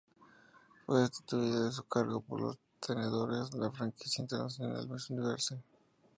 Fue destituida de su cargo por los tenedores de la franquicia internacional Miss Universe.